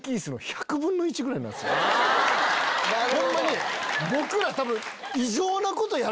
ホンマに僕ら多分。